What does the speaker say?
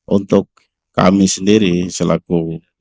untuk kami sendiri selaku